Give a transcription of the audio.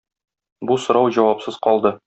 Бу сорау җавапсыз калды.